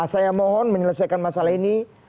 saya mohon menyelesaikan masalah ini